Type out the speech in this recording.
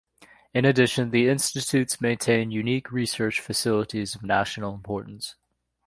In addition, the institutes maintain unique research facilities of national importance.